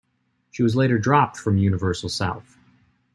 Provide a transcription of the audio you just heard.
She was later dropped from Universal South.